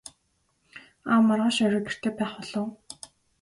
Аав маргааш орой гэртээ байх болов уу?